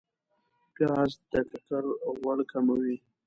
پیاز د ککر غوړ کموي